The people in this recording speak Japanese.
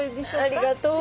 ありがとう。